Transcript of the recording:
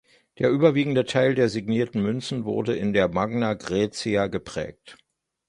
Der überwiegende Teil der signierten Münzen wurden in der Magna Graecia geprägt.